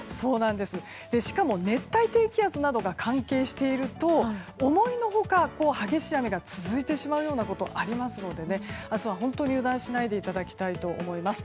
しかも、熱帯低気圧などが関係していると思いの外、激しい雨が続いてしまうようなことがありますので明日は本当に油断しないでいただきたいと思います。